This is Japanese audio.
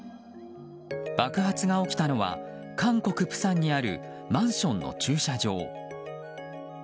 爆発が起きたのは韓国・釜山にあるマンションの駐車場。